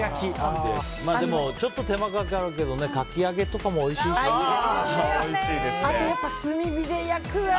でも、ちょっと手間かかるけどかき揚げとかもおいしいよね。